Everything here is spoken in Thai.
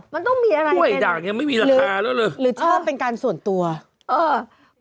มันต้องมีอะไรกล้วยด่างยังไม่มีราคาแล้วเลยหรือชอบเป็นการส่วนตัวเออ